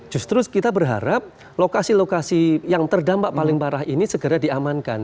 justru kita berharap lokasi lokasi yang terdampak paling parah ini segera diamankan